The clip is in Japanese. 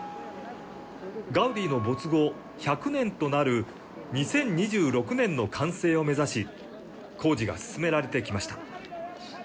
ガウディの没後１００年となる２０２６年の完成を目指し、工事が進められてきました。